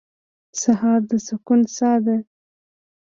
سهار د سکون ساه ده.